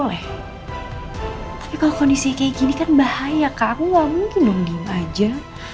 tapi kalau kondisi kayak gini kan bahaya ke aku mungkin dong diem aja